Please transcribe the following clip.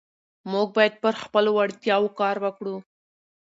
موږ باید پر خپلو وړتیاوو کار وکړو